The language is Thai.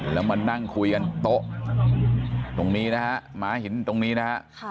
แล้วมานั่งคุยกันโต๊ะตรงนี้นะฮะม้าหินตรงนี้นะฮะ